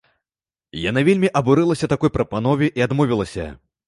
Яна вельмі абурылася такой прапанове і адмовілася.